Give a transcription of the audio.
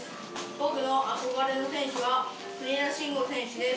僕の憧れの選手は、国枝慎吾選手です。